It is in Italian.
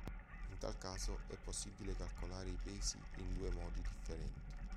In tal caso è possibile calcolare i pesi in due modi differenti.